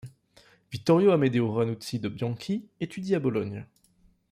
Vittorio Amedeo Ranuzzi de' Bianchi étudie à Bologne.